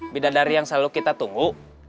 bidadari yang selalu kita tunggu